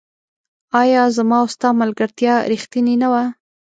آيا زما او ستا ملګرتيا ريښتيني نه وه